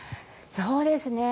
そうですね。